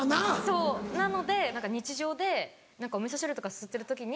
そうなので何か日常で何かお味噌汁とかすすってる時に。